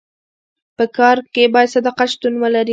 په کار کي باید صداقت شتون ولري.